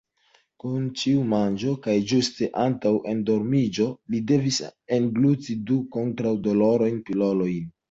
Kun ĉiu manĝo kaj ĝuste antaŭ endormiĝo, li devis engluti du kontraŭ-dolorajn pilolojn.